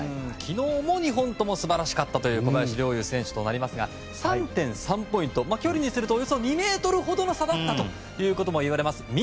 昨日も２本とも素晴らしかったという小林陵侑選手となりますが３．３ポイント距離にするとおよそ２ｍほどの差だったということもいわれます。